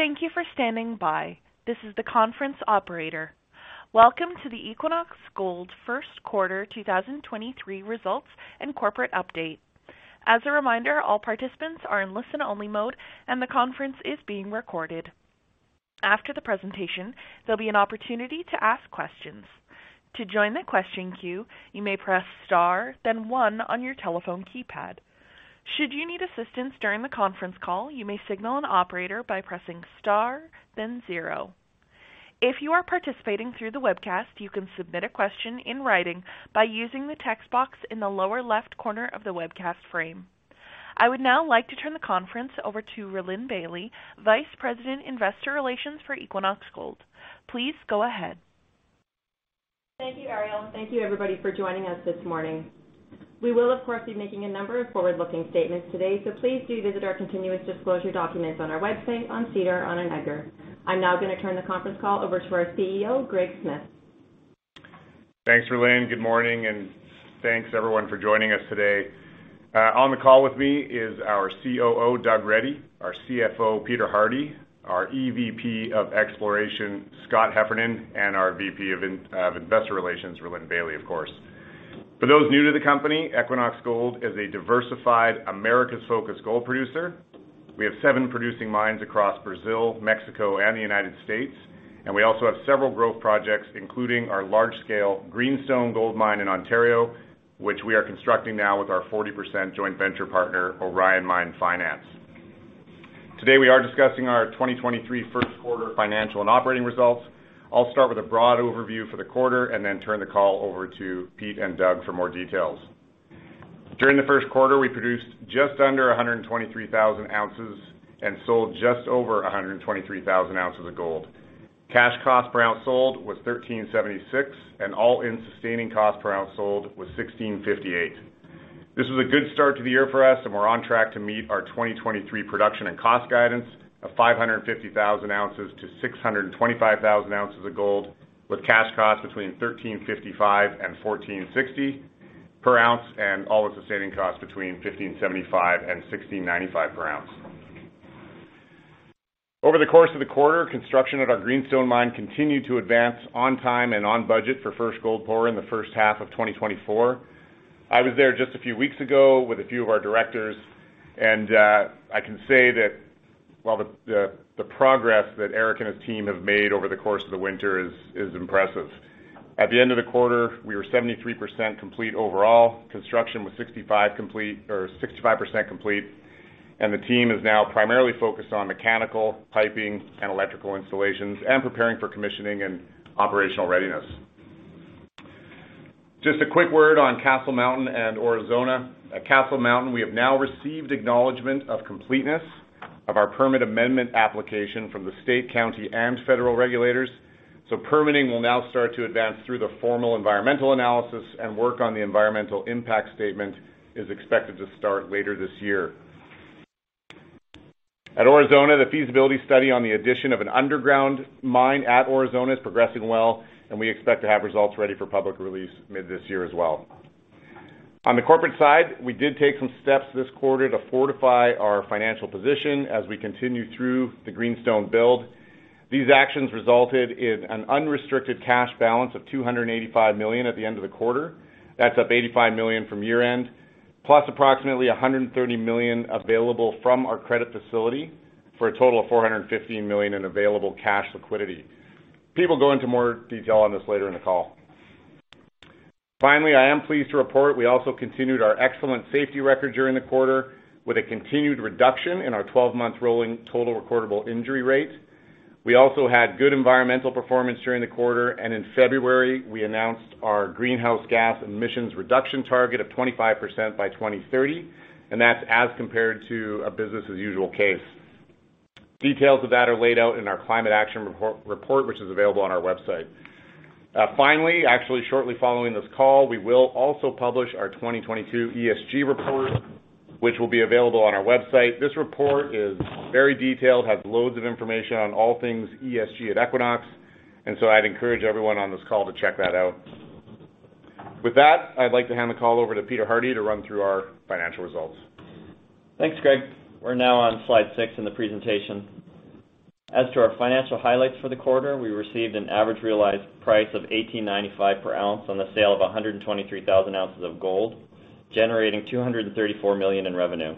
Thank you for standing by. This is the conference operator. Welcome to the Equinox Gold First Quarter 2023 Results and Corporate Update. As a reminder, all participants are in listen-only mode, and the conference is being recorded. After the presentation, there'll be an opportunity to ask questions. To join the question queue, you may press star, then one on your telephone keypad. Should you need assistance during the conference call, you may signal an operator by pressing star then 0. If you are participating through the webcast, you can submit a question in writing by using the text box in the lower left corner of the webcast frame. I would now like to turn the conference over to Rhylin Bailie, Vice President, Investor Relations for Equinox Gold. Please go ahead. Thank you, Ariel. Thank you everybody for joining us this morning. We will, of course, be making a number of forward-looking statements today. Please do visit our continuous disclosure documents on our website, on SEDAR, on EDGAR. I'm now gonna turn the conference call over to our CEO, Greg Smith. Thanks, Rhylin. Good morning, thanks everyone for joining us today. On the call with me is our COO, Doug Reddy, our CFO, Peter Hardie, our EVP of Exploration, Scott Heffernan, and our VP of Investor Relations, Rhylin Bailie, of course. For those new to the company, Equinox Gold is a diversified America's focused gold producer. We have seven producing mines across Brazil, Mexico, and the United States, we also have several growth projects, including our large-scale Greenstone gold mine in Ontario, which we are constructing now with our 40% joint venture partner, Orion Mine Finance. Today, we are discussing our 2023 first quarter financial and operating results. I'll start with a broad overview for the quarter, then turn the call over to Pete and Doug for more details. During the first quarter, we produced just under 123,000 ounces and sold just over 123,000 ounces of gold. Cash cost per ounce sold was $1,376, and all-in sustaining cost per ounce sold was $1,658. This was a good start to the year for us and we're on track to meet our 2023 production and cost guidance of 550,000 ounces to 625,000 ounces of gold, with cash cost between $1,355 and $1,460 per ounce, and all the sustaining costs between $1,575 and $1,695 per ounce. Over the course of the quarter, construction at our Greenstone mine continued to advance on time and on budget for first gold pour in the first half of 2024. I was there just a few weeks ago with a few of our directors. I can say that while the progress that Eric and his team have made over the course of the winter is impressive. At the end of the quarter, we were 73% complete overall. Construction was 65 complete or 65% complete. The team is now primarily focused on mechanical, piping, and electrical installations and preparing for commissioning and operational readiness. Just a quick word on Castle Mountain and Aurizona. At Castle Mountain, we have now received acknowledgement of completeness of our permit amendment application from the state, county, and federal regulators. Permitting will now start to advance through the formal environmental analysis and work on the environmental impact statement is expected to start later this year. At Aurizona, the feasibility study on the addition of an underground mine at Aurizona is progressing well. We expect to have results ready for public release mid this year as well. On the corporate side, we did take some steps this quarter to fortify our financial position as we continue through the Greenstone build. These actions resulted in an unrestricted cash balance of $285 million at the end of the quarter. That's up $85 million from year-end, plus approximately $130 million available from our credit facility, for a total of $415 million in available cash liquidity. Pete will go into more detail on this later in the call. I am pleased to report we also continued our excellent safety record during the quarter with a continued reduction in our 12-month rolling total recordable injury rate. We also had good environmental performance during the quarter. In February, we announced our greenhouse gas emissions reduction target of 25% by 2030, and that's as compared to a business-as-usual case. Details of that are laid out in our climate action report, which is available on our website. Finally, actually, shortly following this call, we will also publish our 2022 ESG report, which will be available on our website. This report is very detailed, has loads of information on all things ESG at Equinox, I'd encourage everyone on this call to check that out. With that, I'd like to hand the call over to Peter Hardie to run through our financial results. Thanks, Greg. We're now on slide six in the presentation. As to our financial highlights for the quarter, we received an average realized price of $1,895 per ounce on the sale of 123,000 ounces of gold, generating $234 million in revenue.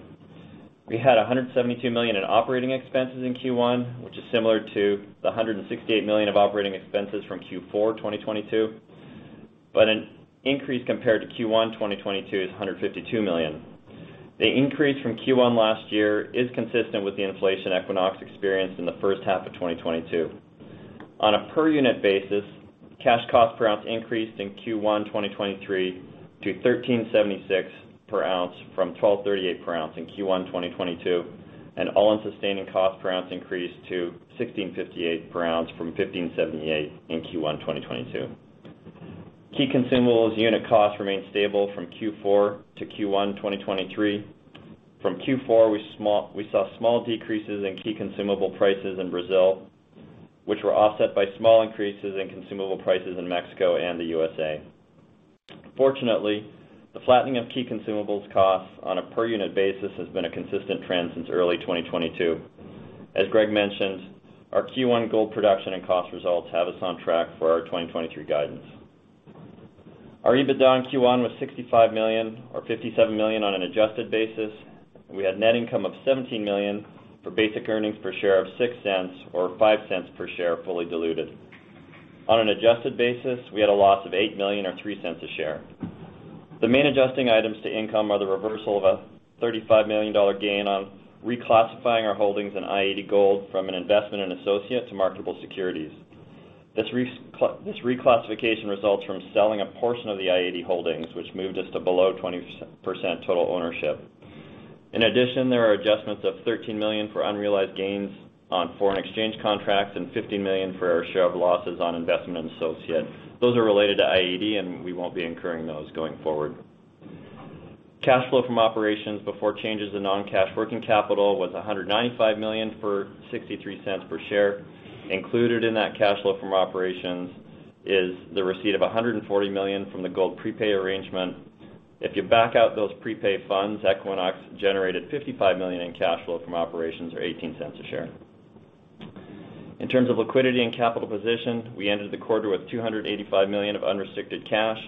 We had $172 million in Operating Expenses in Q1, which is similar to the $168 million of Operating Expenses from Q4 2022, an increase compared to Q1 2022 is $152 million. The increase from Q1 last year is consistent with the inflation Equinox experienced in the first half of 2022. On a per unit basis, cash cost per ounce increased in Q1 2023 to $1,376 per ounce from $1,238 per ounce in Q1 2022, and all-in sustaining cost per ounce increased to $1,658 per ounce from $1,578 in Q1 2022. Key consumables unit cost remained stable from Q4 to Q1 2023. From Q4, we saw small decreases in key consumable prices in Brazil. Were offset by small increases in consumable prices in Mexico and the USA. Fortunately, the flattening of key consumables costs on a per unit basis has been a consistent trend since early 2022. As Greg mentioned, our Q1 gold production and cost results have us on track for our 2023 guidance. Our EBITDA in Q1 was $65 million, or $57 million on an adjusted basis. We had net income of $17 million for basic earnings per share of $0.06 or $0.05 per share, fully diluted. On an adjusted basis, we had a loss of $8 million or $0.03 a share. The main adjusting items to income are the reversal of a $35 million dollar gain on reclassifying our holdings in i-80 Gold from an investment in associate to marketable securities. This reclassification results from selling a portion of the i-80 holdings, which moved us to below 20% total ownership. There are adjustments of $13 million for unrealized gains on foreign exchange contracts and $15 million for our share of losses on investment in associate. Those are related to i-80, we won't be incurring those going forward. Cash flow from operations before changes in non-cash working capital was $195 million for $0.63 per share. Included in that cash flow from operations is the receipt of $140 million from the gold prepay arrangement. If you back out those prepay funds, Equinox generated $55 million in cash flow from operations or $0.18 a share. In terms of liquidity and capital position, we ended the quarter with $285 million of unrestricted cash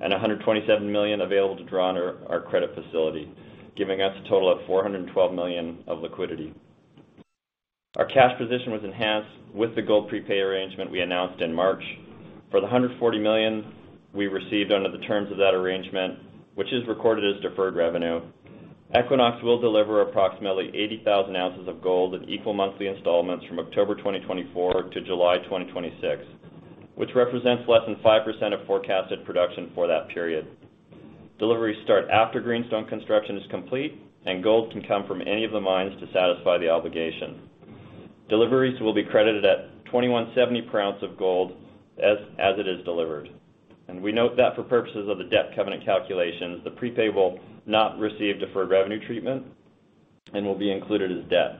and $127 million available to draw under our credit facility, giving us a total of $412 million of liquidity. Our cash position was enhanced with the gold prepay arrangement we announced in March. For the $140 million we received under the terms of that arrangement, which is recorded as deferred revenue, Equinox will deliver approximately 80,000 ounces of gold in equal monthly installments from October 2024 to July 2026, which represents less than 5% of forecasted production for that period. Deliveries start after Greenstone construction is complete, and gold can come from any of the mines to satisfy the obligation. Deliveries will be credited at $2,170 per ounce of gold as it is delivered. We note that for purposes of the debt covenant calculations, the prepay will not receive deferred revenue treatment and will be included as debt.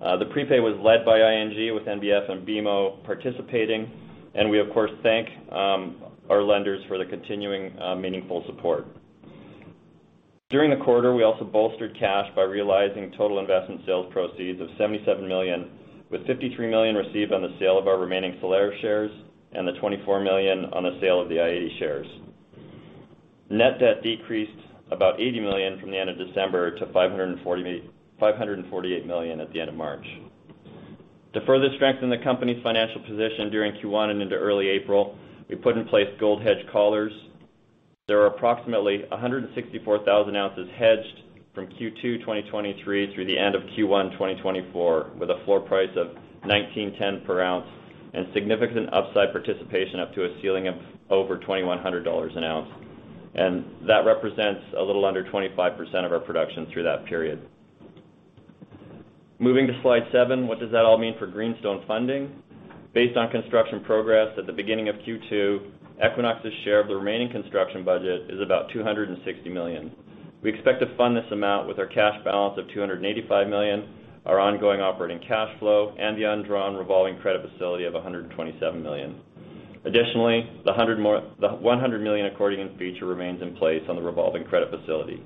The prepay was led by ING with NBF and BMO participating, and we of course thank our lenders for their continuing meaningful support. During the quarter, we also bolstered cash by realizing total investment sales proceeds of $77 million, with $53 million received on the sale of our remaining Solaris shares and the $24 million on the sale of the i-80 shares. Net debt decreased about $80 million from the end of December to $548 million at the end of March. To further strengthen the company's financial position during Q1 and into early April, we put in place gold hedge collars. There are approximately 164,000 ounces hedged from Q2, 2023 through the end of Q1, 2024, with a floor price of $1,910 per ounce and significant upside participation up to a ceiling of over $2,100 an ounce. That represents a little under 25% of our production through that period. Moving to slide seven, what does that all mean for Greenstone funding? Based on construction progress at the beginning of Q2, Equinox's share of the remaining construction budget is about $260 million. We expect to fund this amount with our cash balance of $285 million, our ongoing operating cash flow, and the undrawn revolving credit facility of $127 million. Additionally, the $100 million accordion feature remains in place on the revolving credit facility.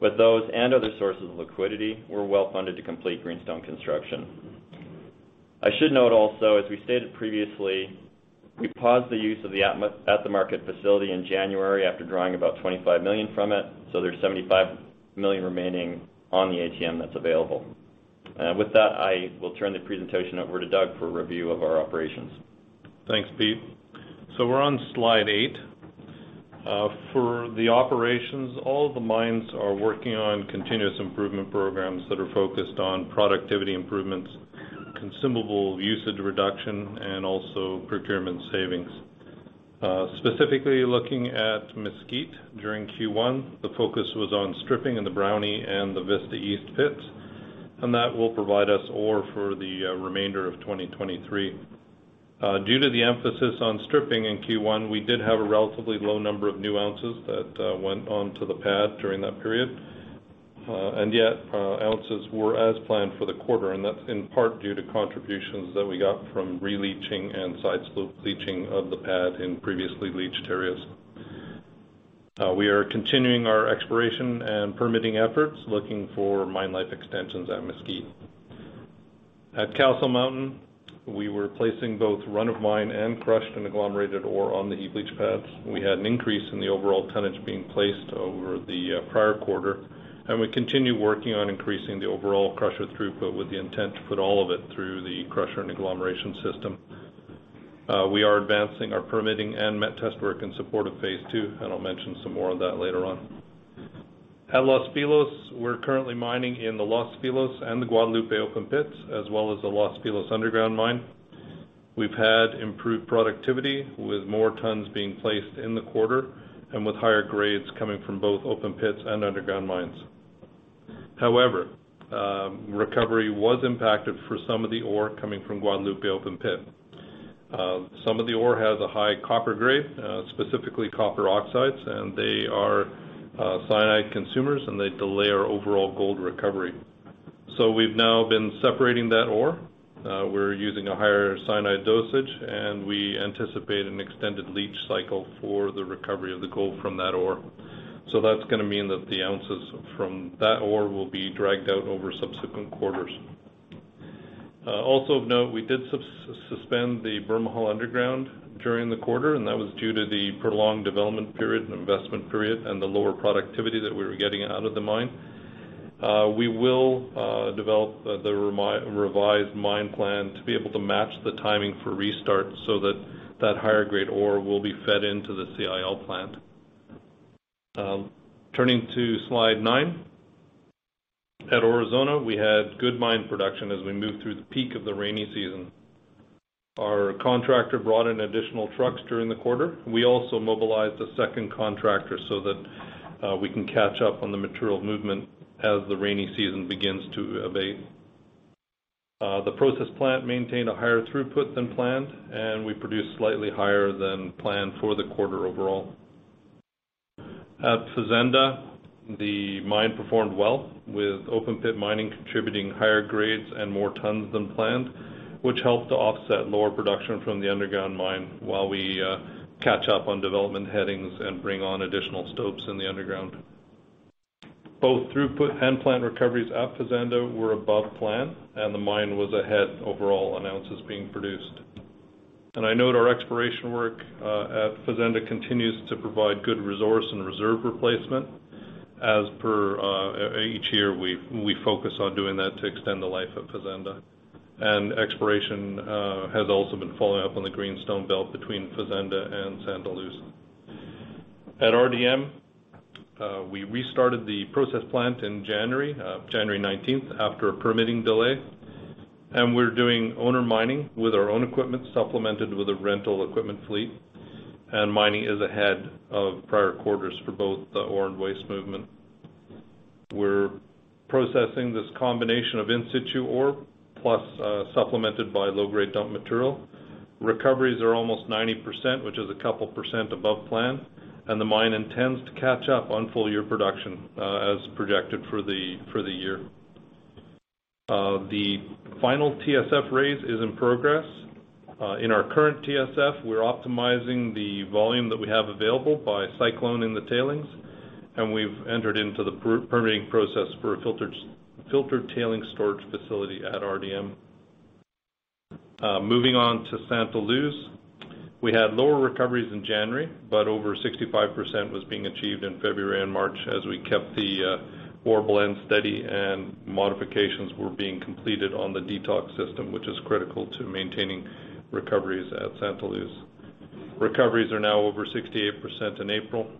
With those and other sources of liquidity, we're well-funded to complete Greenstone construction. I should note also, as we stated previously, we paused the use of the at-the-market facility in January after drawing about $25 million from it, so there's $75 million remaining on the ATM that's available. With that, I will turn the presentation over to Doug for a review of our operations. Thanks, Pete. We're on slide eight. For the operations, all the mines are working on continuous improvement programs that are focused on productivity improvements, consumable usage reduction, and also procurement savings. Specifically looking at Mesquite during Q1, the focus was on stripping in the Brownie and the Vista East pits, and that will provide us ore for the remainder of 2023. Due to the emphasis on stripping in Q1, we did have a relatively low number of new ounces that went on to the pad during that period. Ounces were as planned for the quarter, and that's in part due to contributions that we got from re-leaching and side slope leaching of the pad in previously leached areas. We are continuing our exploration and permitting efforts, looking for mine life extensions at Mesquite. At Castle Mountain, we were placing both run of mine and crushed and agglomerated ore on the heap leach pads. We had an increase in the overall tonnage being placed over the prior quarter, and we continue working on increasing the overall crusher throughput with the intent to put all of it through the crusher and agglomeration system. We are advancing our permitting and met test work in support of phase two, and I'll mention some more on that later on. At Los Filos, we're currently mining in the Los Filos and the Guadalupe open pits, as well as the Los Filos underground mine. We've had improved productivity with more tons being placed in the quarter and with higher grades coming from both open pits and underground mines. However, recovery was impacted for some of the ore coming from Guadalupe open pit. Some of the ore has a high copper grade, specifically copper oxides, and they are cyanide consumers, and they delay our overall gold recovery. We've now been separating that ore. We're using a higher cyanide dosage, and we anticipate an extended leach cycle for the recovery of the gold from that ore. That's gonna mean that the ounces from that ore will be dragged out over subsequent quarters. Also of note, we did suspend the Bermejal underground during the quarter, and that was due to the prolonged development period and investment period and the lower productivity that we were getting out of the mine. We will develop the revised mine plan to be able to match the timing for restart so that that higher grade ore will be fed into the CIL plant. Turning to slide nine. At Aurizona, we had good mine production as we moved through the peak of the rainy season. Our contractor brought in additional trucks during the quarter. We also mobilized a second contractor so that we can catch up on the material movement as the rainy season begins to abate. The process plant maintained a higher throughput than planned, and we produced slightly higher than planned for the quarter overall. At Fazenda, the mine performed well with open pit mining contributing higher grades and more tons than planned, which helped to offset lower production from the underground mine while we catch up on development headings and bring on additional stopes in the underground. Both throughput and plant recoveries at Fazenda were above plan, and the mine was ahead overall on ounces being produced. I note our exploration work at Fazenda continues to provide good resource and reserve replacement. As per each year, we focus on doing that to extend the life of Fazenda. Exploration has also been following up on the Greenstone belt between Fazenda and Santa Luz. At RDM, we restarted the process plant in January 19th, after a permitting delay. We're doing owner mining with our own equipment, supplemented with a rental equipment fleet, and mining is ahead of prior quarters for both the ore and waste movement. We're processing this combination of in situ ore, plus supplemented by low grade dump material. Recoveries are almost 90%, which is a couple % above plan, and the mine intends to catch up on full year production as projected for the year. The final TSF raise is in progress. In our current TSF, we're optimizing the volume that we have available by cycloning the tailings, and we've entered into the per-permitting process for a filtered tailing storage facility at RDM. Moving on to Santa Luz. We had lower recoveries in January, but over 65% was being achieved in February and March as we kept the ore blend steady and modifications were being completed on the detox system, which is critical to maintaining recoveries at Santa Luz. Recoveries are now over 68% in April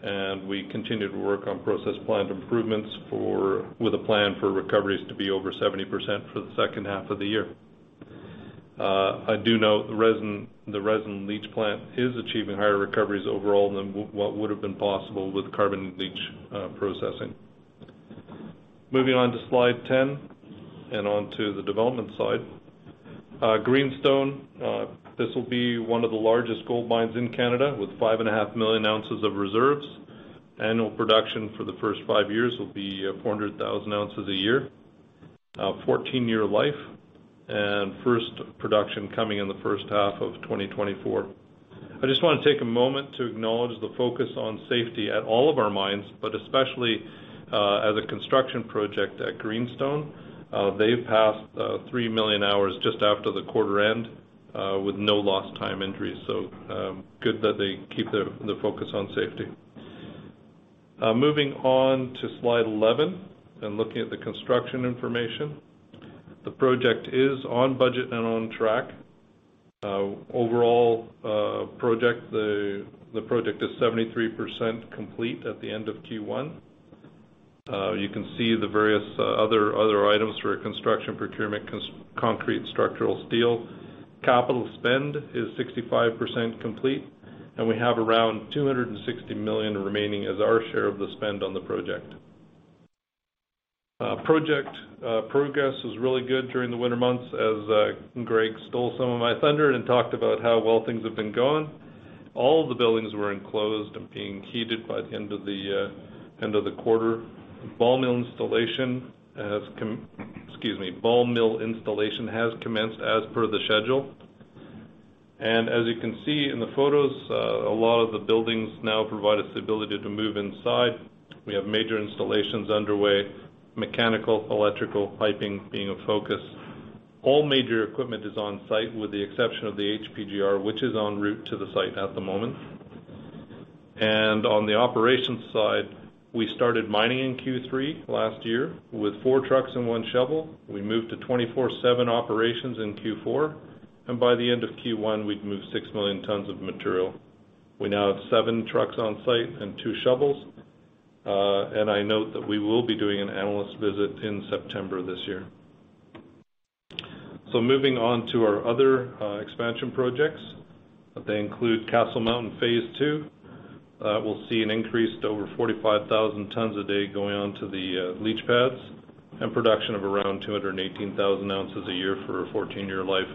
and we continue to work on process plant improvements with a plan for recoveries to be over 70% for the second half of the year. I do note the resin leach plant is achieving higher recoveries overall than what would have been possible with carbon leach processing. Moving on to slide 10 and onto the development side. Greenstone, this will be one of the largest gold mines in Canada with 5.5 million ounces of reserves. Annual production for the first five years will be 400,000 ounces a year, 14 year life, first production coming in the first half of 2024. I just wanna take a moment to acknowledge the focus on safety at all of our mines, but especially as a construction project at Greenstone. They've passed three million hours just after the quarter end with no lost time injuries. Good that they keep the focus on safety. Moving on to slide 11 and looking at the construction information. The project is on budget and on track. Overall, the project is 73% complete at the end of Q1. You can see the various other items for construction procurement, concrete structural steel. Capital spend is 65% complete, and we have around $260 million remaining as our share of the spend on the project. Project progress was really good during the winter months, as Greg stole some of my thunder and talked about how well things have been going. All the buildings were enclosed and being heated by the end of the quarter. Ball mill installation has commenced as per the schedule. As you can see in the photos, a lot of the buildings now provide us the ability to move inside. We have major installations underway, mechanical, electrical, piping being a focus. All major equipment is on site with the exception of the HPGR, which is en route to the site at the moment. On the operations side, we started mining in Q3 last year with four trucks and one shovel. We moved to 24/7 operations in Q4, and by the end of Q1, we'd moved 6 million tons of material. We now have seven trucks on site and two shovels. I note that we will be doing an analyst visit in September this year. Moving on to our other expansion projects. They include Castle Mountain Phase 2. We'll see an increase to over 45,000 tons a day going on to the leach pads and production of around 218,000 ounces a year for a 14-year life.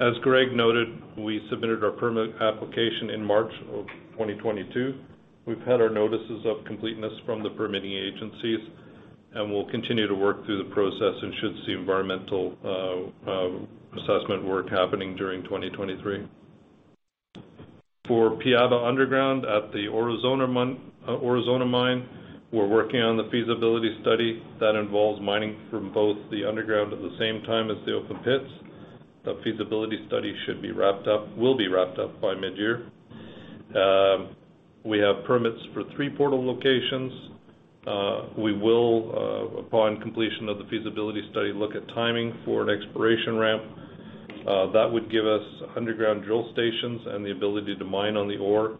As Greg noted, we submitted our permit application in March of 2022. We've had our notices of completeness from the permitting agencies, and we'll continue to work through the process and should see environmental assessment work happening during 2023. For Piaba Underground at the Aurizona mine, we're working on the feasibility study that involves mining from both the underground at the same time as the open pits. The feasibility study will be wrapped up by midyear. We have permits for three portal locations. We will, upon completion of the feasibility study, look at timing for an exploration ramp that would give us underground drill stations and the ability to mine on the ore,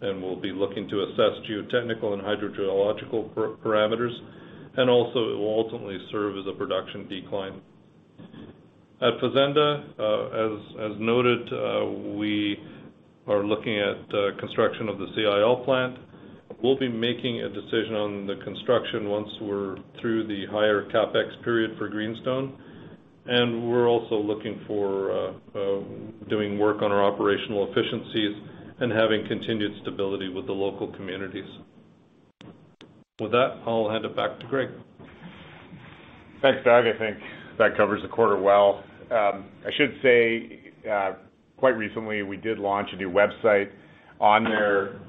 and we'll be looking to assess geotechnical and hydrogeological parameters, and also it will ultimately serve as a production decline. At Aurizona, as noted, we are looking at construction of the CIL plant. We'll be making a decision on the construction once we're through the higher CapEx period for Greenstone. We're also looking for doing work on our operational efficiencies and having continued stability with the local communities. With that, I'll hand it back to Greg. Thanks, Doug. I think that covers the quarter well. I should say, quite recently, we did launch a new website. On there,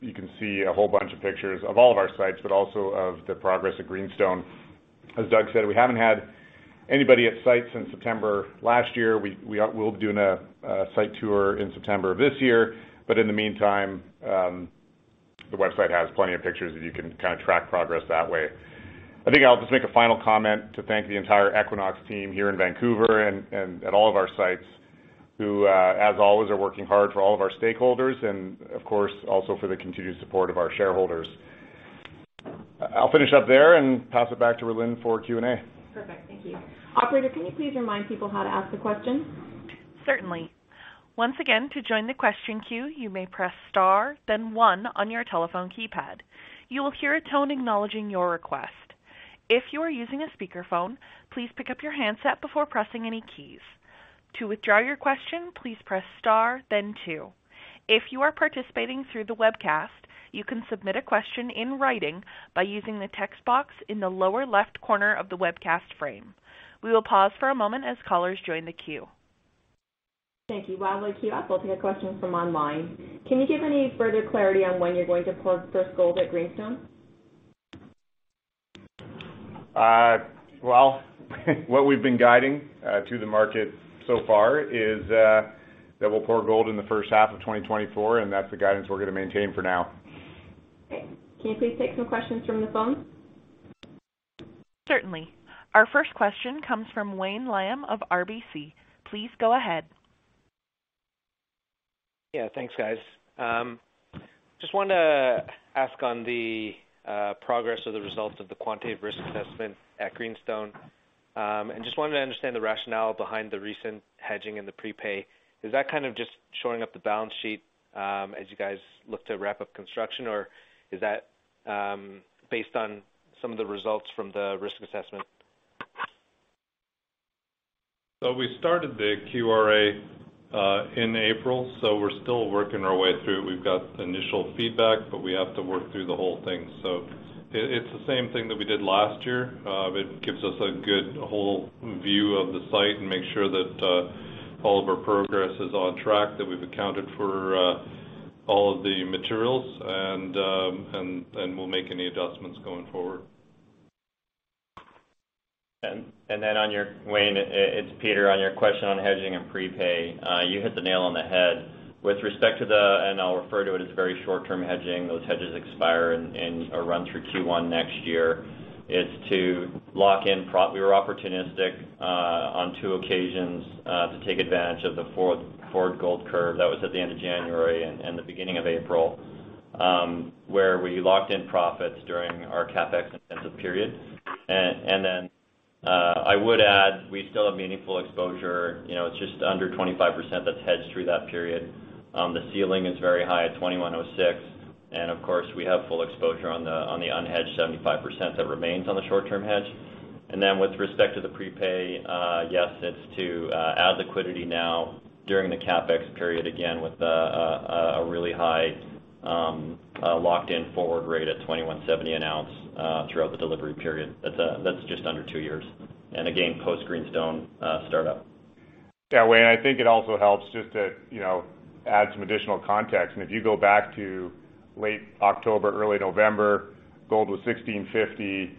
you can see a whole bunch of pictures of all of our sites, but also of the progress at Greenstone. As Doug said, we haven't had anybody at site since September last year. We'll be doing a site tour in September of this year. In the meantime, the website has plenty of pictures that you can kind of track progress that way. I think I'll just make a final comment to thank the entire Equinox team here in Vancouver and at all of our sites who, as always, are working hard for all of our stakeholders and of course, also for the continued support of our shareholders. I'll finish up there and pass it back to Rhylin for Q&A. Perfect. Thank you. Operator, can you please remind people how to ask a question? Certainly. Once again, to join the question queue, you may press star then one on your telephone keypad. You will hear a tone acknowledging your request. If you are using a speakerphone, please pick up your handset before pressing any keys. To withdraw your question, please press star then two. If you are participating through the webcast, you can submit a question in writing by using the text box in the lower left corner of the webcast frame. We will pause for a moment as callers join the queue. Thank you. While the queue up, I'll take a question from online. Can you give any further clarity on when you're going to pour first gold at Greenstone? Well, what we've been guiding to the market so far is that we'll pour gold in the first half of 2024, and that's the guidance we're gonna maintain for now. Okay. Can you please take some questions from the phone? Certainly. Our first question comes from Wayne Lam of RBC. Please go ahead. Yeah. Thanks, guys. Just wanted to ask on the progress of the results of the quantitative risk assessment at Greenstone. Just wanted to understand the rationale behind the recent hedging and the prepay. Is that, kind of, just shoring up the balance sheet, as you guys look to wrap up construction? Or is that, based on some of the results from the risk assessment? We started the QRA in April, so we're still working our way through. We've got initial feedback, but we have to work through the whole thing. It's the same thing that we did last year. It gives us a good whole view of the site and make sure that all of our progress is on track, that we've accounted for all of the materials, and we'll make any adjustments going forward. Then on your Wayne, it's Peter. On your question on hedging and prepay, you hit the nail on the head. With respect to the, and I'll refer to it as very short-term hedging, those hedges expire in a run through Q1 next year, is to lock in. We were opportunistic, on two occasions, to take advantage of the for-forward gold curve. That was at the end of January and the beginning of April, where we locked in profits during our CapEx intensive period. Then, I would add, we still have meaningful exposure. You know, it's just under 25% that's hedged through that period. The ceiling is very high at $2,106. Of course, we have full exposure on the unhedged 75% that remains on the short-term hedge. With respect to the prepay, yes, it's to add liquidity now during the CapEx period, again, with a really high, locked in forward rate at $2,170 an ounce throughout the delivery period. That's just under two years, and again, post-Greenstone startup. Yeah, Wayne, I think it also helps just to, you know, add some additional context. If you go back to late October, early November, gold was $1,650.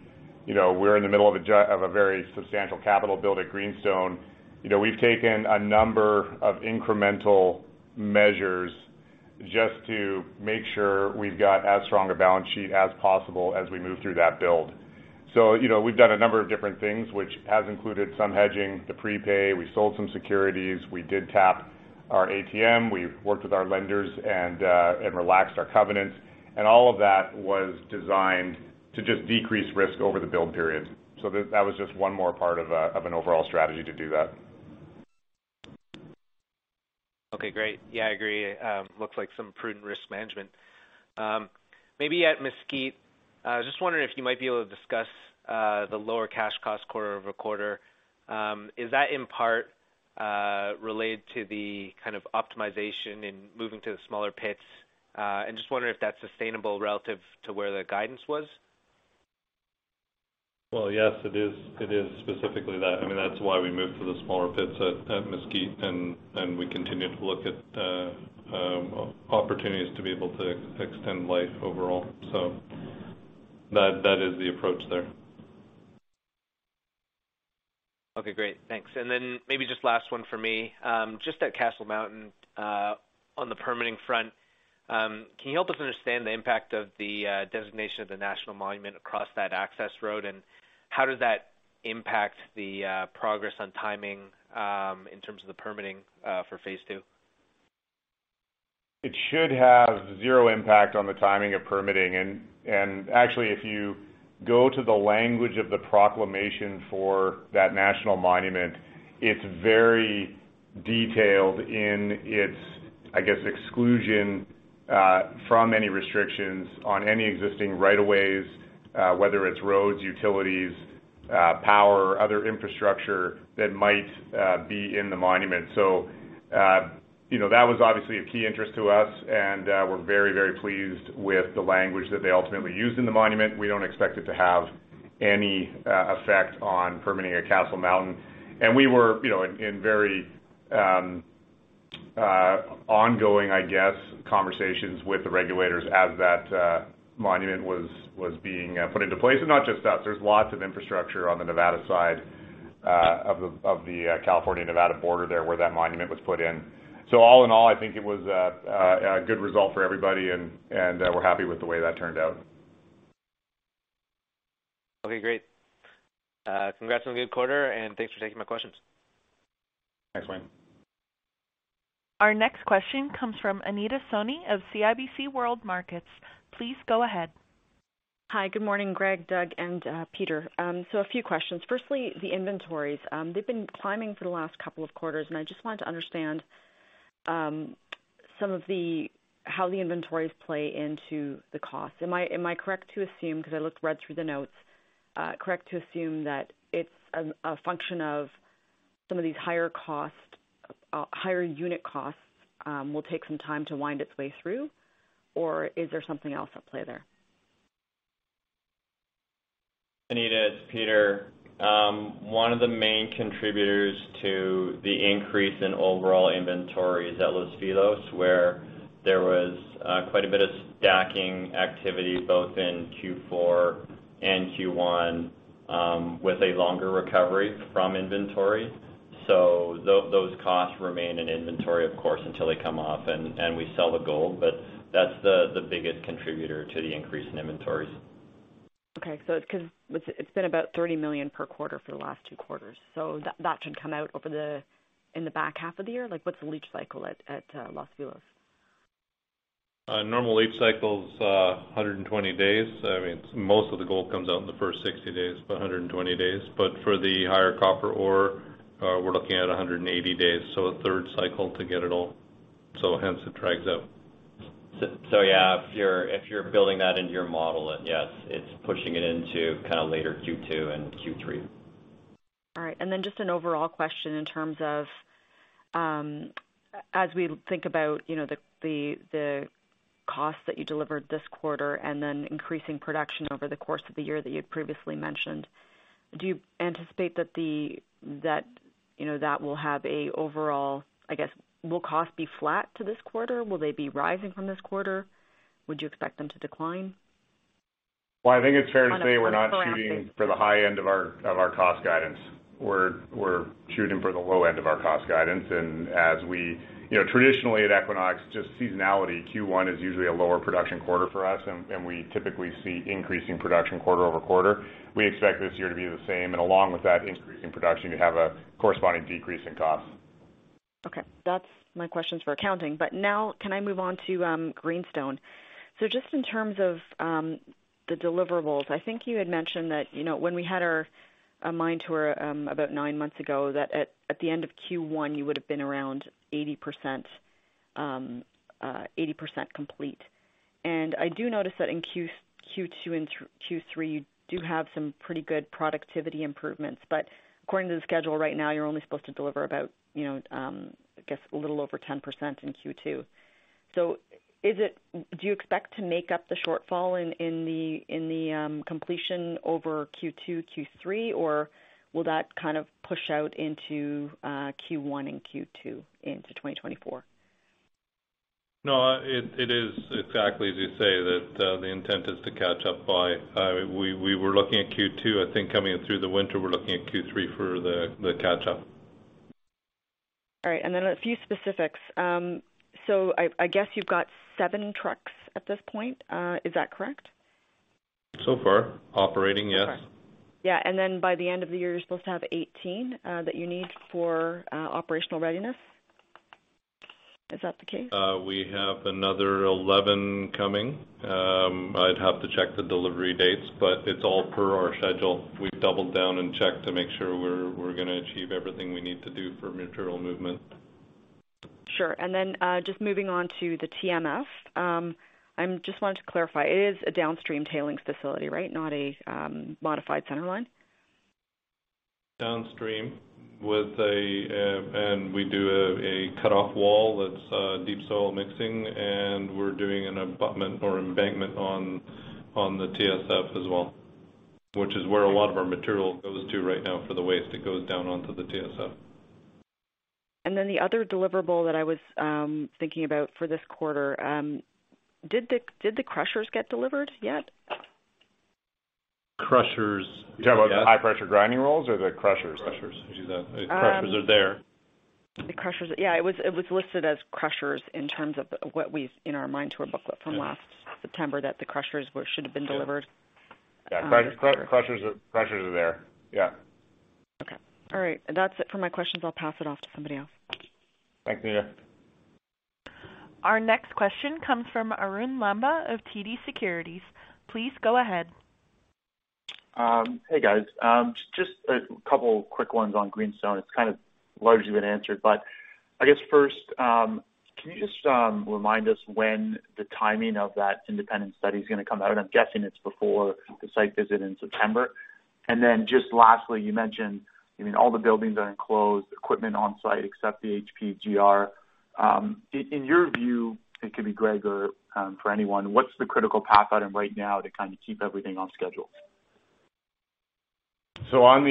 You know, we're in the middle of a very substantial capital build at Greenstone. You know, we've taken a number of incremental measures just to make sure we've got as strong a balance sheet as possible as we move through that build. You know, we've done a number of different things, which has included some hedging, the prepay. We sold some securities. We did tap our ATM. We've worked with our lenders and relaxed our covenants. All of that was designed to just decrease risk over the build periods. That was just one more part of an overall strategy to do that. Okay, great. Yeah, I agree. looks like some prudent risk management. Maybe at Mesquite, I was just wondering if you might be able to discuss the lower cash cost quarter-over-quarter. Is that in part related to the kind of optimization in moving to the smaller pits? Just wondering if that's sustainable relative to where the guidance was. Yes, it is specifically that. I mean, that's why we moved to the smaller pits at Mesquite, and we continue to look at opportunities to be able to extend life overall. That is the approach there. Okay, great. Thanks. Maybe just last one for me. just at Castle Mountain, on the permitting front, can you help us understand the impact of the designation of the National Monument across that access road, and how does that impact the progress on timing, in terms of the permitting, for phase two? It should have zero impact on the timing of permitting. Actually, if you go to the language of the proclamation for that national monument, it's very detailed in its, I guess, exclusion from any restrictions on any existing right of ways, whether it's roads, utilities, power, other infrastructure that might be in the monument. You know, that was obviously a key interest to us, and we're very, very pleased with the language that they ultimately used in the monument. We don't expect it to have any effect on permitting at Castle Mountain. We were, you know, in very ongoing, I guess, conversations with the regulators as that monument was being put into place. Not just us, there's lots of infrastructure on the Nevada side of the California-Nevada border there where that monument was put in. All in all, I think it was a good result for everybody and we're happy with the way that turned out. Okay, great. Congrats on a good quarter, and thanks for taking my questions. Thanks, Wayne. Our next question comes from Anita Soni of CIBC World Markets. Please go ahead. Hi. Good morning, Greg, Doug, and Peter. A few questions. Firstly, the inventories. They've been climbing for the last couple of quarters, and I just wanted to understand how the inventories play into the cost. Am I correct to assume, 'cause I looked right through the notes, correct to assume that it's a function of some of these higher costs, higher unit costs, will take some time to wind its way through? Or is there something else at play there? Anita, it's Peter. One of the main contributors to the increase in overall inventories at Los Filos, where there was quite a bit of stacking activity both in Q4 and Q1, with a longer recovery from inventory. Those costs remain in inventory, of course, until they come off and we sell the gold, but that's the biggest contributor to the increase in inventories. Okay. 'Cause it's been about $30 million per quarter for the last two quarters. That should come out over the, in the back half of the year? Like, what's the leach cycle at Los Filos? Normal leach cycle is 120 days. I mean, most of the gold comes out in the first 60 days, 120 days. For the higher copper ore, we're looking at 180 days, so a third cycle to get it all. Hence it drags out. Yeah, if you're building that into your model, then yes, it's pushing it into kind of later Q2 and Q3. All right. Just an overall question in terms of, as we think about, you know, the costs that you delivered this quarter and then increasing production over the course of the year that you'd previously mentioned, do you anticipate that, you know, that will have a overall, I guess, will cost be flat to this quarter? Will they be rising from this quarter? Would you expect them to decline? Well, I think it's fair to say we're not shooting for the high end of our, of our cost guidance. We're shooting for the low end of our cost guidance. You know, traditionally at Equinox, just seasonality, Q1 is usually a lower production quarter for us, and we typically see increasing production quarter-over-quarter. We expect this year to be the same, and along with that increase in production, you have a corresponding decrease in costs. Okay. That's my questions for accounting. Now can I move on to Greenstone? Just in terms of the deliverables, I think you had mentioned that, you know, when we had a mine tour, about 9 months ago, that at the end of Q1, you would have been around 80%, 80% complete. I do notice that in Q2 and Q3, you do have some pretty good productivity improvements. According to the schedule right now, you're only supposed to deliver about, you know, I guess a little over 10% in Q2. Do you expect to make up the shortfall in the completion over Q2, Q3, or will that kind of push out into Q1 and Q2 into 2024? No, it is exactly as you say that, the intent is to catch up by, we were looking at Q2. I think coming through the winter, we're looking at Q3 for the catch up. All right. A few specifics. I guess you've got seven trucks at this point. Is that correct? Far. Operating, yes. Okay. Yeah. Then by the end of the year, you're supposed to have 18 that you need for operational readiness. Is that the case? We have another 11 coming. I'd have to check the delivery dates, but it's all per our schedule. We've doubled down and checked to make sure we're gonna achieve everything we need to do for material movement. Sure. Just moving on to the TMF. I'm just wanted to clarify, it is a downstream tailings facility, right? Not a, modified center line? Downstream with a, and we do a cut off wall that's deep soil mixing, and we're doing an abutment or embankment on the TSF as well, which is where a lot of our material goes to right now for the waste that goes down onto the TSF. The other deliverable that I was thinking about for this quarter, did the crushers get delivered yet? Crushers, yeah. You talking about high pressure grinding rolls or the crushers? Crushers. The crushers are there. The crushers. Yeah. It was listed as crushers in terms of in our mine tour booklet from last September that the crushers were should have been delivered. Yeah. Crushers are there. Yeah. Okay. All right. That's it for my questions. I'll pass it off to somebody else. Thanks, Mia. Our next question comes from Arun Lamba of TD Securities. Please go ahead. Hey, guys. Just a couple quick ones on Greenstone. It's kind of largely been answered, but I guess first, can you just remind us when the timing of that independent study is gonna come out? I'm guessing it's before the site visit in September. Just lastly, you mentioned, I mean, all the buildings are enclosed, equipment on-site except the HPGR. In your view, it could be Greg or for anyone, what's the critical path item right now to kind of keep everything on schedule? On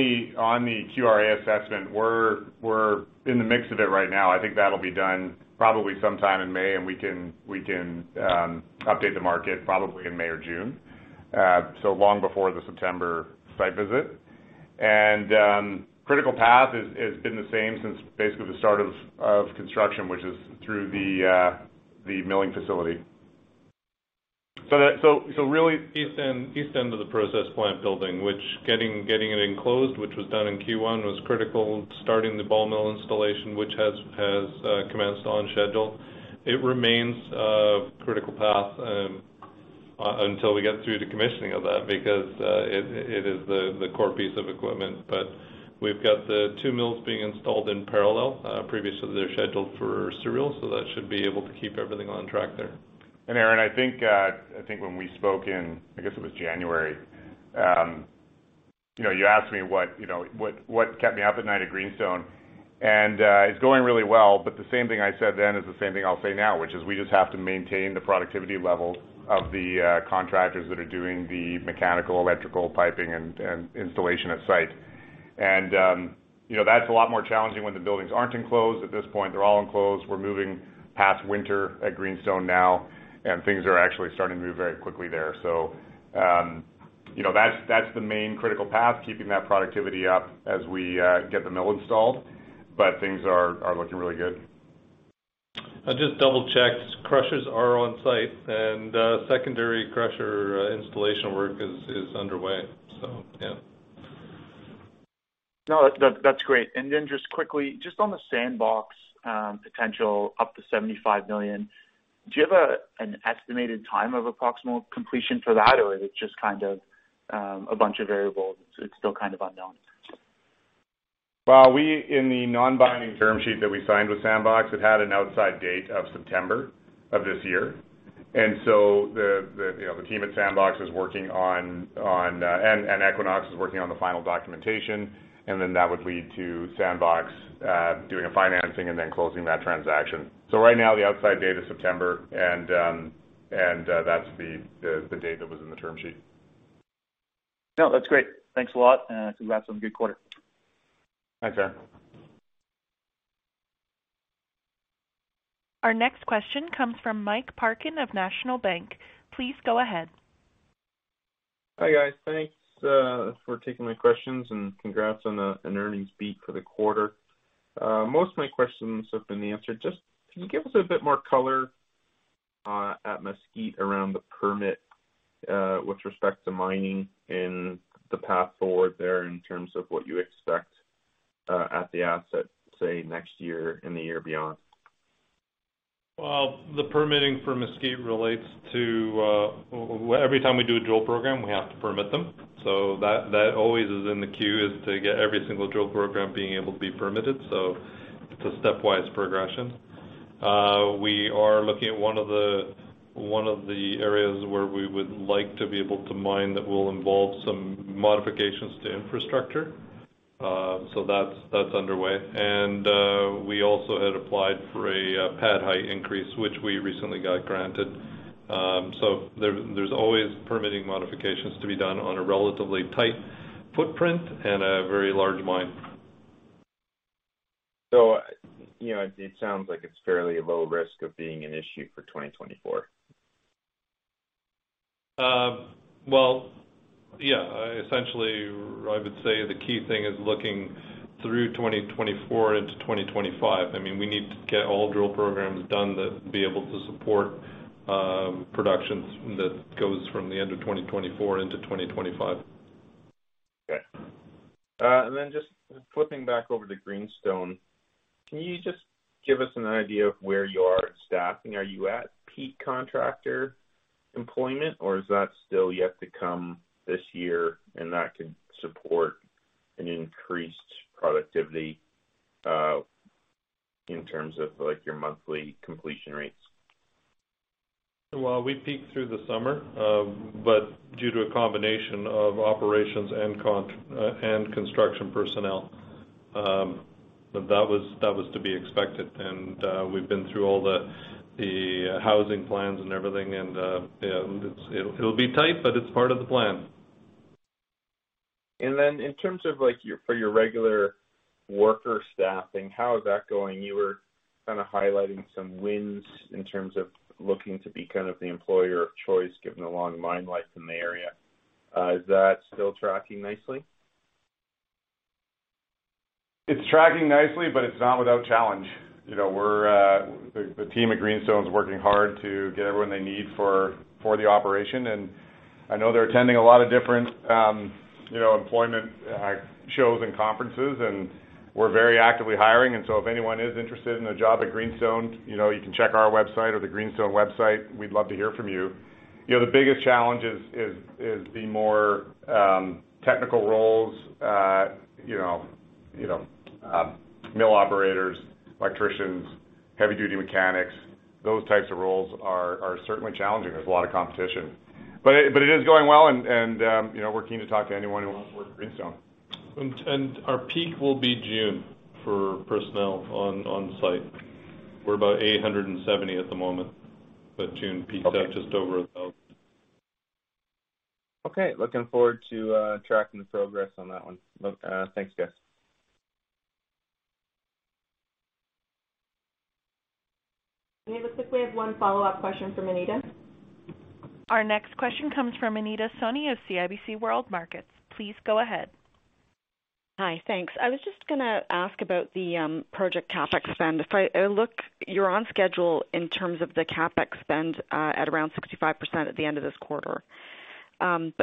the QRA assessment, we're in the mix of it right now. I think that'll be done probably sometime in May, and we can update the market probably in May or June, so long before the September site visit. Critical path has been the same since basically the start of construction, which is through the milling facility. Really east end of the process plant building, which getting it enclosed, which was done in Q1, was critical, starting the ball mill installation, which has commenced on schedule. It remains a critical path until we get through the commissioning of that because it is the core piece of equipment. We've got the two mills being installed in parallel, previous to their schedule for serial, so that should be able to keep everything on track there. Aaron, I think, I think when we spoke in, I guess it was January, you know, you asked me what, you know, what kept me up at night at Greenstone and it's going really well, but the same thing I said then is the same thing I'll say now, which is we just have to maintain the productivity level of the contractors that are doing the mechanical, electrical, piping, and installation at site. That's a lot more challenging when the buildings aren't enclosed. At this point, they're all enclosed. We're moving past winter at Greenstone now, and things are actually starting to move very quickly there. That's the main critical path, keeping that productivity up as we get the mill installed, but things are looking really good. I just double-checked. Crushers are on site and secondary crusher installation work is underway. Yeah. No, that's great. Then just quickly, just on the Sandbox, potential up to $75 million, do you have an estimated time of approximate completion for that, or is it just kind of a bunch of variables, it's still kind of unknown? Well, we in the non-binding term sheet that we signed with Sandbox, it had an outside date of September of this year. You know, the team at Sandbox is working on, and Equinox is working on the final documentation, and then that would lead to Sandbox doing a financing and then closing that transaction. Right now, the outside date is September, that's the date that was in the term sheet. No, that's great. Thanks a lot. Congrats on a good quarter. Thanks, Aaron. Our next question comes from Mike Parkin of National Bank. Please go ahead. Hi, guys. Thanks for taking my questions. Congrats on an earnings beat for the quarter. Most of my questions have been answered. Just can you give us a bit more color at Mesquite around the permit with respect to mining and the path forward there in terms of what you expect at the asset, say, next year and the year beyond? The permitting for Mesquite relates to every time we do a drill program, we have to permit them. That always is in the queue, is to get every single drill program being able to be permitted. It's a stepwise progression. We are looking at one of the areas where we would like to be able to mine that will involve some modifications to infrastructure, so that's underway. We also had applied for a pad height increase, which we recently got granted. There's always permitting modifications to be done on a relatively tight footprint in a very large mine. You know, it sounds like it's fairly low risk of being an issue for 2024. Well, yeah. Essentially, I would say the key thing is looking through 2024 into 2025. I mean, we need to get all drill programs done to be able to support productions that goes from the end of 2024 into 2025. Okay. Then just flipping back over to Greenstone, can you just give us an idea of where you are at staffing? Are you at peak contractor employment, or is that still yet to come this year and that can support an increased productivity, in terms of, like, your monthly completion rates? Well, we peaked through the summer, but due to a combination of operations and construction personnel, that was to be expected. We've been through all the housing plans and everything, yeah, it'll be tight, but it's part of the plan. In terms of, like, your, for your regular worker staffing, how is that going? You were kind of highlighting some wins in terms of looking to be kind of the employer of choice, given the long mine life in the area. Is that still tracking nicely? It's tracking nicely, it's not without challenge. You know, we're the team at Greenstone is working hard to get everyone they need for the operation. I know they're attending a lot of different, you know, employment shows and conferences, and we're very actively hiring. If anyone is interested in a job at Greenstone, you know, you can check our website or the Greenstone website. We'd love to hear from you. You know, the biggest challenge is the more technical roles, you know, mill operators, electricians, heavy duty mechanics. Those types of roles are certainly challenging. There's a lot of competition. It is going well and, you know, we're keen to talk to anyone who wants to work at Greenstone. Our peak will be June for personnel on site. We're about 870 at the moment, but June peaks out just over 1,000. Okay. Looking forward to tracking the progress on that one. Look, thanks, guys. We have one follow-up question from Anita. Our next question comes from Anita Soni of CIBC World Markets. Please go ahead. Hi. Thanks. I was just gonna ask about the project CapEx spend. If I look, you're on schedule in terms of the CapEx spend, at around 65% at the end of this quarter.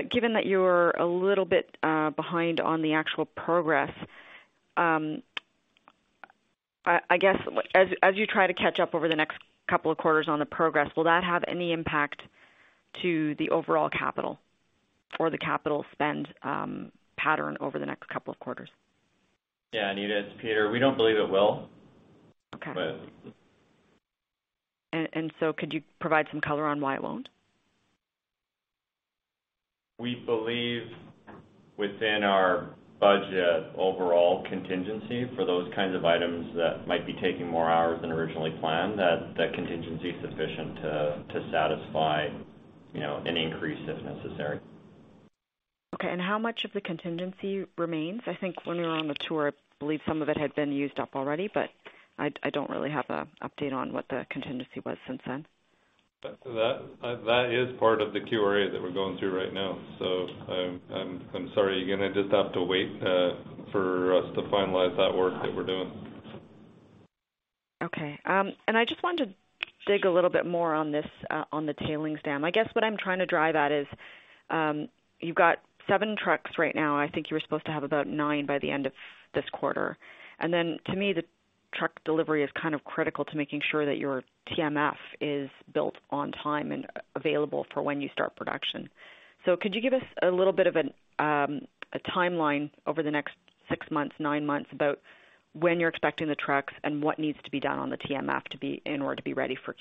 Given that you're a little bit behind on the actual progress, I guess, as you try to catch up over the next couple of quarters on the progress, will that have any impact to the overall capital or the capital spend pattern over the next couple of quarters? Yeah, Anita, it's Peter. We don't believe it will. Okay. But... Could you provide some color on why it won't? We believe within our budget overall contingency for those kinds of items that might be taking more hours than originally planned, that contingency is sufficient to satisfy, you know, an increase if necessary. Okay, how much of the contingency remains? I think when we were on the tour, I believe some of it had been used up already, but I don't really have a update on what the contingency was since then. That is part of the QRA that we're going through right now. I'm sorry, you're gonna just have to wait for us to finalize that work that we're doing. Okay. I just wanted to dig a little bit more on this on the tailings dam. I guess what I'm trying to drive at is, you've got seven trucks right now. I think you were supposed to have about nine by the end of this quarter. To me, the truck delivery is kind of critical to making sure that your TMF is built on time and available for when you start production. Could you give us a little bit of a timeline over the next six months, nine months, about when you're expecting the trucks and what needs to be done on the TMF to be ready for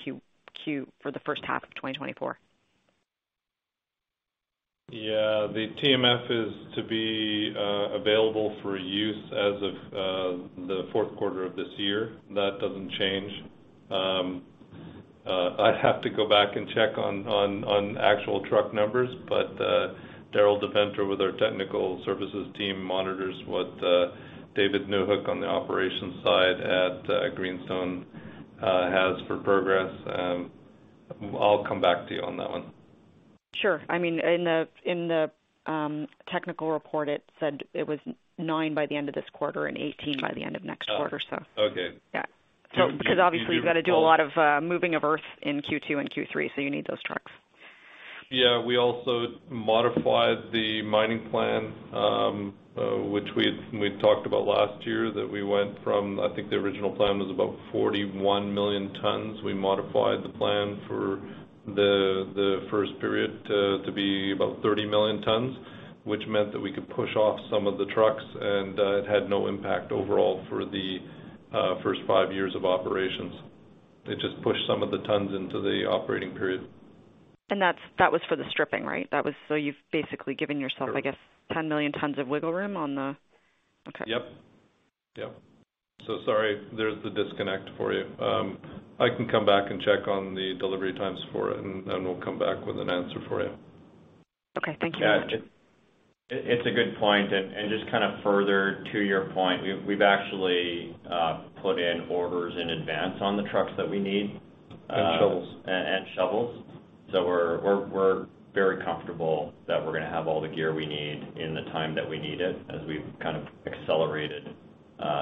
the first half of 2024? Yeah. The TMF is to be available for use as of the fourth quarter of this year. That doesn't change. I'd have to go back and check on actual truck numbers, but Darrol van Deventer with our technical services team monitors what David Newhook on the operations side at Greenstone has for progress. I'll come back to you on that one. Sure. I mean, in the technical report, it said it was nine by the end of this quarter and 18 by the end of next quarter, so. Oh, okay. Yeah. because obviously you've got to do a lot of moving of earth in Q2 and Q3, so you need those trucks. We also modified the mining plan, which we talked about last year, that we went from, I think the original plan was about 41 million tons. We modified the plan for the first period to be about 30 million tons, which meant that we could push off some of the trucks and it had no impact overall for the first five years of operations. It just pushed some of the tons into the operating period. That's, that was for the stripping, right? You've basically given yourself, I guess, 10 million tons of wiggle room on the... Okay. Yep. Yep. Sorry, there's the disconnect for you. I can come back and check on the delivery times for it. We'll come back with an answer for you. Okay. Thank you. It's a good point. Just kind of further to your point, we've actually put in orders in advance on the trucks that we need. Shovels. Shovels. We're very comfortable that we're gonna have all the gear we need in the time that we need it, as we've kind of accelerated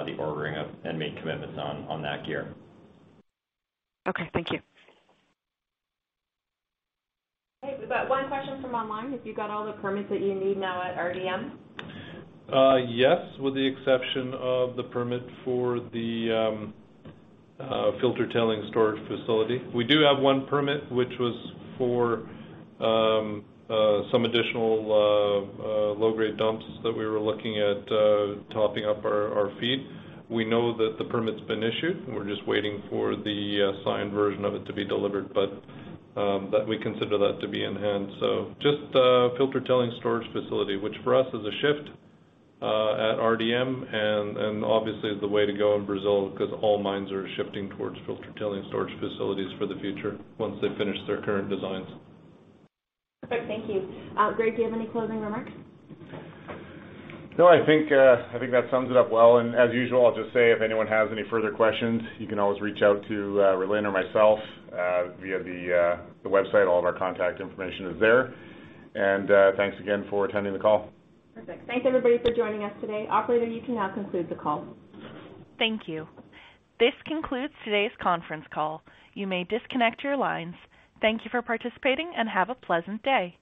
the ordering of and made commitments on that gear. Okay. Thank you. Okay. We've got one question from online. Have you got all the permits that you need now at RDM? Yes, with the exception of the permit for the filtered tailings storage facility. We do have one permit which was for some additional low-grade dumps that we were looking at topping up our feed. We know that the permit's been issued. We're just waiting for the signed version of it to be delivered, but we consider that to be in hand. Just the filtered tailings storage facility, which for us is a shift at RDM and obviously is the way to go in Brazil 'cause all mines are shifting towards filtered tailings storage facilities for the future once they finish their current designs. Perfect. Thank you. Greg, do you have any closing remarks? No, I think that sums it up well. As usual, I'll just say if anyone has any further questions, you can always reach out to Rhylin or myself via the website. All of our contact information is there. Thanks again for attending the call. Perfect. Thanks everybody for joining us today. Operator, you can now conclude the call. Thank you. This concludes today's conference call. You may disconnect your lines. Thank you for participating and have a pleasant day.